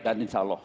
dan insya allah